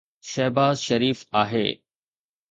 شهباز شريف آهي.